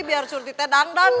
biar surti tedang tedang